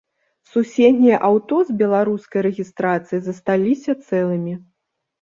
Суседнія аўто з беларускай рэгістрацыяй засталіся цэлымі.